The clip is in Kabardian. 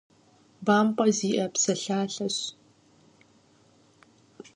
БампӀэ зиӀэ псэлъалэщ.